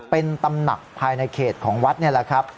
เป็นตำหนักภายในเขตของวัดนี่แหละครับ